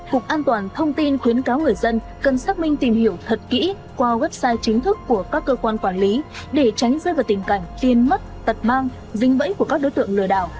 cục an toàn thông tin khuyến cáo người dân cần xác minh tìm hiểu thật kỹ qua website chính thức của các cơ quan quản lý để tránh rơi vào tình cảnh tiên mất tật mang dính bẫy của các đối tượng lừa đảo